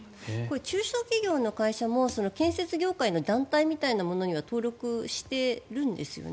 中小企業の会社も建設業界の団体みたいなものには登録してるんですよね。